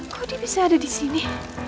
kok dia bisa ada disini